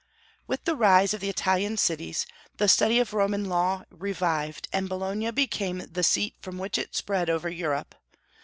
With the rise of the Italian cities, the study of Roman law revived, and Bologna became the seat from which it spread over Europe.